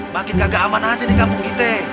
makin kagak aman aja di kampung kita